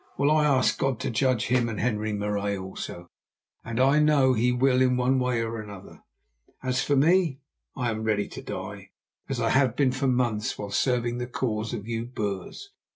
Well, I ask God to judge him and Henri Marais also, and I know He will in one way or another. As for me, I am ready to die, as I have been for months while serving the cause of you Boers.